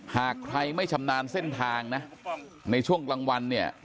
หากใครไม่ชำนาญเส้นทางนะในช่วงกลางวันเนี่ย